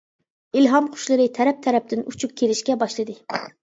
ئىلھام قۇشلىرى تەرەپ-تەرەپتىن ئۇچۇپ كېلىشكە باشلىدى.